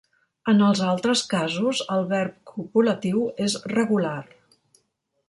En els altres casos, el verb copulatiu és regular.